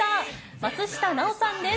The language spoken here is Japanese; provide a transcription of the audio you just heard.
松下奈緒さんです。